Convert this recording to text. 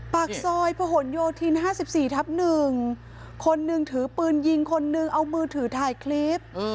ปากซอยพะห่วงโยธินห้าสิบสี่ทับหนึ่งคนนึงถือปืนยิงคนนึงเอามือถือถ่ายคลิป